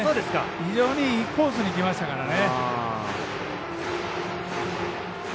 非常にいいコースにきましたからね。